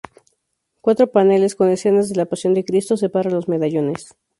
Cuatro paneles, con escenas de la Pasión de Cristo separan los medallones.